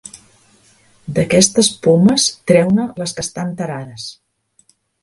D'aquestes pomes, treu-ne les que estan tarades.